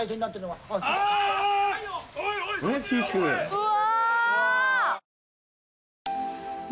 うわ！